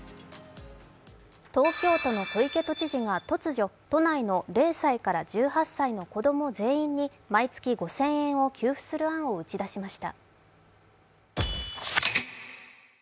東京都の小池都知事が、突如、都内の０歳から１８歳の子供全員に毎月５０００円を給付する案を打ち出しました。